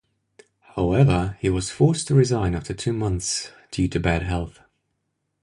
However, he was forced to resign after two months due to bad health.